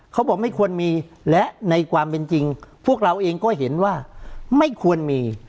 เขาบอกไม่ควรมีและในความเป็นจริงพวกเราเองก็เห็นว่าไม่ควรมี